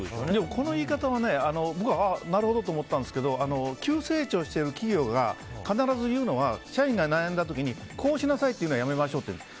この言い方は僕はなるほどと思ったんですけど急成長してる企業が必ず言うのが社員が悩んだ時にこうしましょうって言うのはやめましょうっていうんです。